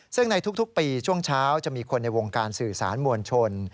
ซึ่งในทุกปีช่วงเช้าจะมีคนในวงการสื่อสารมวลชน